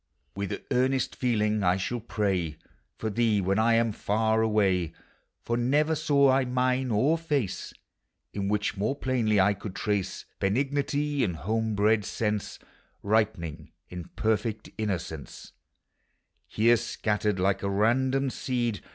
With earnest feeling 1 shall pray For thee when 1 am far away; For never saw I mien or face In which more plainly I could trace Benignity and home bred sense Ripening in perfect innocence, llere scattered like a random seed.